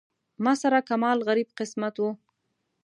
ما سره کمال غریب قسمت و.